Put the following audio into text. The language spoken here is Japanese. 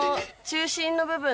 中心の部分。